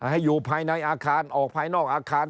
ให้อยู่ภายในอาคารออกภายนอกอาคาร